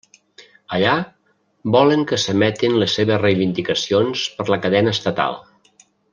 Allà volen que s'emetin les seves reivindicacions per la cadena estatal.